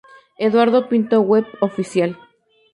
Eduardo Pinto Web Oficial